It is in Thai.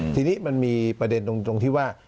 ทีนี้มันมีประเด็นตรงที่ว่า